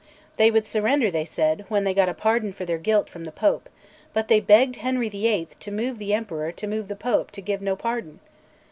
They would surrender, they said, when they got a pardon for their guilt from the Pope; but they begged Henry VIII. to move the Emperor to move the Pope to give no pardon!